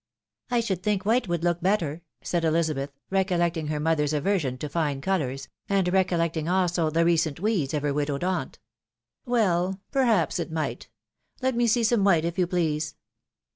" I should think white would look better," said Elizabeth, recollecting her mother's aversion to fine colours, and recol lecting also the recent weeds of her widowed aunt. " Well, .... perhaps it might. Let me see some white, if .you please."